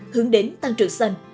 hướng đến tăng trưởng xanh